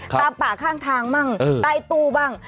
ตามป่าข้างทางบ้างใต้ตู้บ้าง